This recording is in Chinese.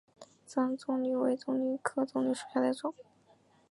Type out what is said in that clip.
山棕榈为棕榈科棕榈属下的一个种。